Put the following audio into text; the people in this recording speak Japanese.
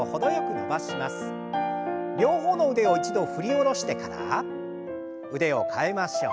両方の腕を一度振り下ろしてから腕を替えましょう。